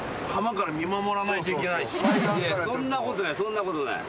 そんなことないそんなことない。